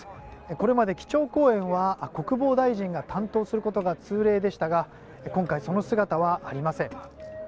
これまで基調講演は国防大臣が担当することが通例でしたが今回、その姿はありません。